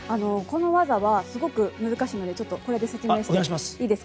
この技はすごく難しいのでこれで説明します。